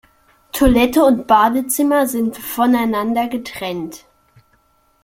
Toilette und Badezimmer sind voneinander getrennt.